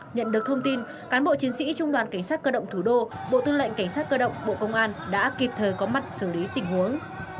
nhận được thông tin cán bộ chiến sĩ trung đoàn cảnh sát cơ động thủ đô bộ tư lệnh cảnh sát cơ động bộ công an đã kịp thời có mặt xử lý tình huống